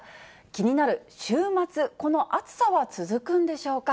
気になる週末、この暑さは続くんでしょうか。